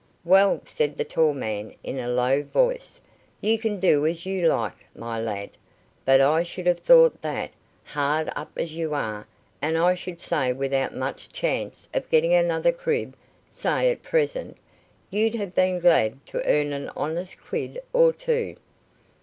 "Well," said the tall man, in a low voice, "you can do as you like, my lad, but I should have thought that, hard up as you are, and I should say without much chance of getting another crib say at present you'd have been glad to earn a honest quid or two."